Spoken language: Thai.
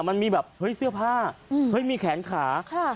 มันมีแบบเฮ้ยเสื้อผ้าเฮ้ยมีแขนขา